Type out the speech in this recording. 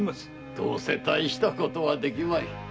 どうせ大したことはできまい。